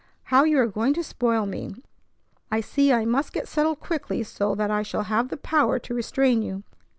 How you are going to spoil me! I see I must get settled quickly so that I shall have the power to restrain you."